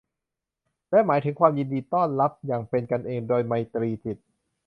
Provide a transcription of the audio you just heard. และหมายถึงความยินดีต้อนรับอย่างเป็นกันเองด้วยไมตรีจิต